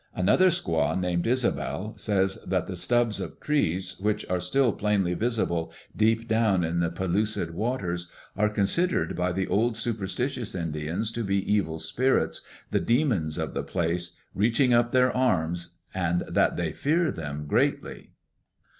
Another squaw named Isabel says that the stubs of trees, which are still plainly visible deep down in the pellucid waters, are considered by the old superstitious Indians to be evil spirits, the demons of the place, reaching up their arms, and that they fear them greatly.